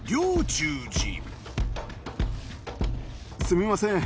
すみません。